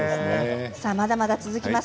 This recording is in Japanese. さあまだまだ続きます。